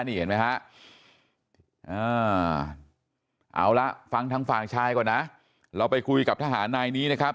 นี่เห็นไหมฮะเอาละฟังทางฝ่ายชายก่อนนะเราไปคุยกับทหารนายนี้นะครับ